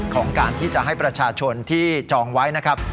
ของการที่จะให้ประชาชนที่จองไว้นะครับ